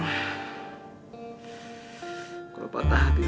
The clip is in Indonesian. gue patah hati